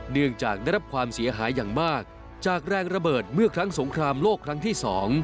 เนื่องจากได้รับความเสียหายอย่างมากจากแรงระเบิดเมื่อครั้งสงครามโลกครั้งที่๒